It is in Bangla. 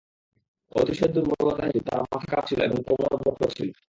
অতিশয় দুর্বলতা হেতু তার মাথা কাঁপছিল এবং কোমর বক্র ছিল।